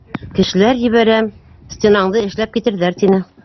Кешеләр ебәрәм, стенаңды эшләп китерҙәр, тине.